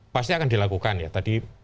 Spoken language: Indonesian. pasti akan dilakukan ya tadi